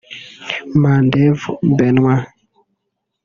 Mandevu Benoit